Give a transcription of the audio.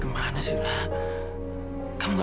sampai ketemu suatu hari lagi